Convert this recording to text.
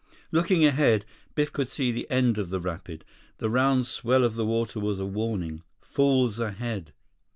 Looking ahead, Biff could see the end of the rapid. The round swell of the water was a warning—falls ahead!